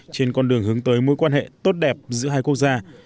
trên con đường hướng tới mối quan hệ tốt đẹp giữa hai quốc gia